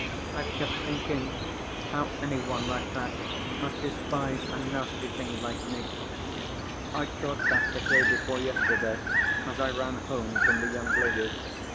I've kept thinking 'how any one like that must despise a nasty thing like me.' I thought that the day before yesterday, as I ran home from the young lady's.